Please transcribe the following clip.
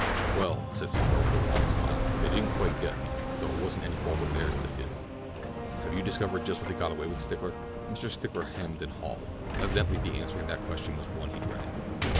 "Well," said Secor with a wan smile, "they didn't quite get me, though it wasn't any fault of theirs that they didn't. Have you discovered just what they got away with, Stickler?" Mr. Stickler hemmed and hawed. Evidently the answering of that question was one he dreaded.